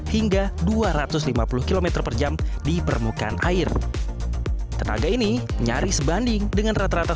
dua ratus dua puluh hingga dua ratus lima puluh km per jam di permukaan air tenaga ini nyaris banding dengan rata rata